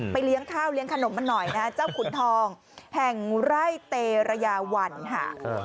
เลี้ยงข้าวเลี้ยงขนมกันหน่อยนะเจ้าขุนทองแห่งไร่เตรยาวันค่ะ